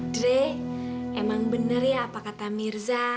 dre emang bener ya apa kata mirza